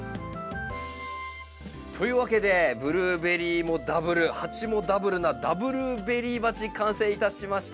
というわけでブルーベリーもダブル鉢もダブルなダブルベリー鉢完成いたしました。